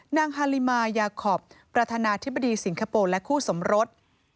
ฮาลิมายาคอปประธานาธิบดีสิงคโปร์และคู่สมรส